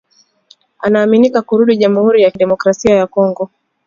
anaaminika kurudi jamhuri ya kidemokrasia ya Kongo